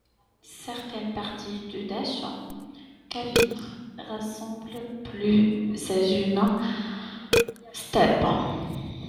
Certaines parties du Dasht-e-Kavir ressemblent plus à une steppe.